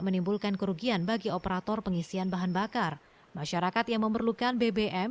menimbulkan kerugian bagi operator pengisian bahan bakar masyarakat yang memerlukan bbm